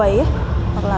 đó chính là tạo